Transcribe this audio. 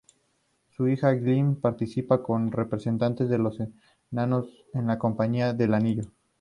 Su hijo Gimli partiría como representante de los enanos en la Compañía del Anillo.